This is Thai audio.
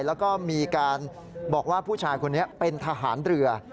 แล้วก็มีการบอกว่าผู้ชายคนนี้เป็นทหารเรือ